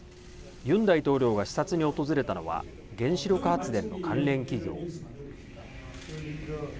ユン大統領が視察に訪れたのは原子力発電の関連企業。